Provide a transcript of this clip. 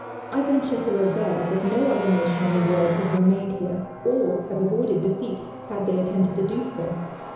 I venture to aver that no other nation in the world would have remained here, or have avoided defeat had they attempted to do so."